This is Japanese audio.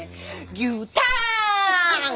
牛ターン！